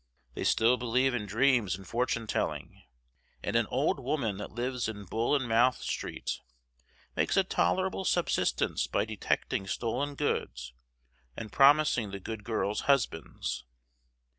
They still believe in dreams and fortune telling, and an old woman that lives in Bull and Mouth Street makes a tolerable subsistence by detecting stolen goods and promising the girls good husbands.